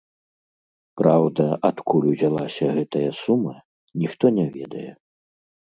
Праўда, адкуль узялася гэтая сума, ніхто не ведае.